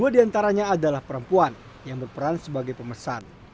dua diantaranya adalah perempuan yang berperan sebagai pemesan